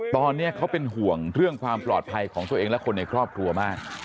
ตอนนี้เขาเป็นห่วงเรื่องความปลอดภัยของตัวเองและคนในครอบครัวมาก